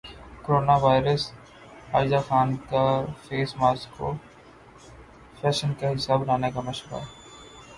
corona virus Aiza Khan کا face mask کو fashion کا حصہ بنانے کا مشورہ